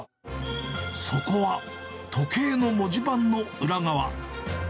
そこは時計の文字盤の裏側。